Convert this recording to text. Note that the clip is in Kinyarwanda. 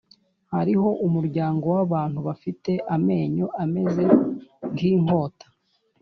hariho umuryango w’abantu bafite amenyo ameze nk’inkot